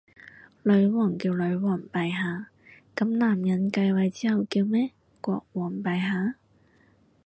女王叫女皇陛下，噉男人繼位之後叫咩？國王陛下？